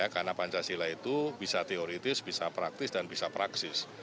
karena pancasila itu bisa teoritis bisa praktis dan bisa praksis